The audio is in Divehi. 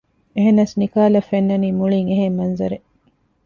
އެހެނަސް ނިކާލަށް ފެންނަނީ މުޅީން އެހެން މަންޒަރެއް